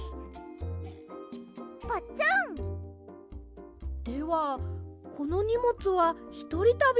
ポツン！ではこのにもつはひとりたびのための？